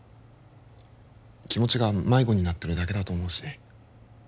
気持ちが迷子になってるだけだと思うし